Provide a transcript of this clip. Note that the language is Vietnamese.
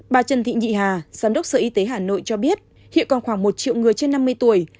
bà trần thị nhị hà giám đốc sở y tế hà nội cho biết hiện còn khoảng một triệu người trên năm mươi tuổi